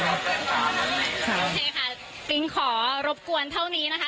โอเคค่ะปิ๊งขอรบกวนเท่านี้นะคะ